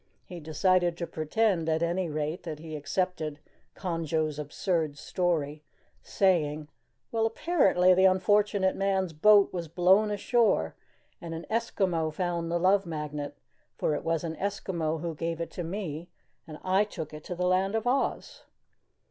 He decided to pretend, at any rate, that he accepted Conjo's absurd story, saying, "Well, apparently the unfortunate man's boat was blown ashore and an Eskimo found the Love Magnet, for it was an Eskimo who gave it to me, and I took it to the Land of Oz."